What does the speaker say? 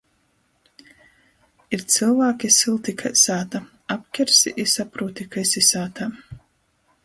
Ir cylvāki - sylti kai sāta. Apkersi i saprūti, ka esi sātā...